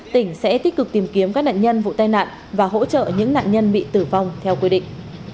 tỉnh sẽ tích cực tìm kiếm các nạn nhân vụ tai nạn và hỗ trợ những nạn nhân bị tử vong theo quy định